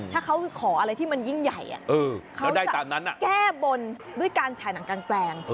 ถ้าเขาขออะไรที่มันยิ่งใหญ่เขาจะแก้บนด้วยการแสดงหนังกางแปลง